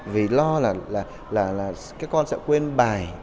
vì lo là các con sẽ quên bài